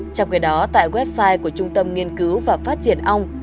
trong khi đó tại website của trung tâm nghiên cứu và phát triển ong